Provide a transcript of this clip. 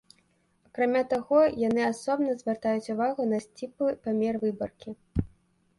Акрамя таго, яны асобна звяртаюць увагу на сціплы памер выбаркі.